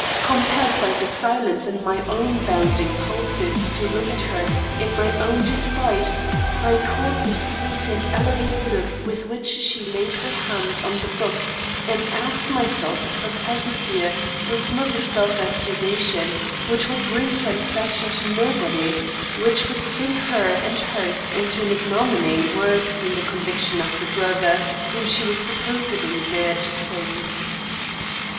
Compelled by the silence and my own bounding pulses to look at her in my own despite, I caught the sweet and elevated look with which she laid her hand on the Book, and asked myself if her presence here was not a self accusation, which would bring satisfaction to nobody which would sink her and hers into an ignominy worse than the conviction of the brother whom she was supposedly there to save.